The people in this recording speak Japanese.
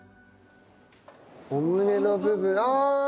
お胸の部分ああ！